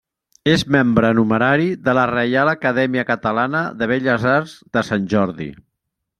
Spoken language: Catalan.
És membre numerari de la Reial Acadèmia Catalana de Belles Arts de Sant Jordi.